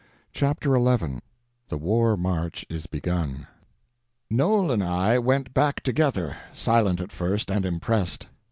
Chapter 11 The War March Is Begun NOEL and I went back together—silent at first, and impressed.